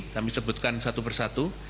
kami sebutkan satu persatu